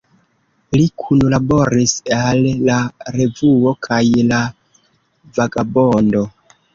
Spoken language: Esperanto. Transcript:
Li kunlaboris al "La Revuo" kaj "La Vagabondo.